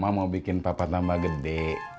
mama mau bikin papa tambah gede